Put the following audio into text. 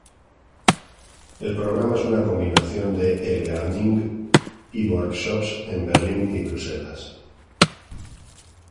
El programa es una combinación de e-learning y workshops en Berlín y Bruselas.